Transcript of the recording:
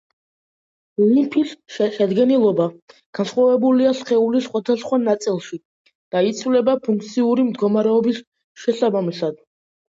ლიმფის შედგენილობა განსხვავებულია სხეულის სხვადასხვა ნაწილში და იცვლება ფუნქციური მდგომარეობის შესაბამისად.